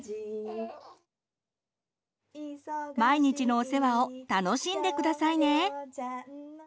毎日のお世話を楽しんでくださいね！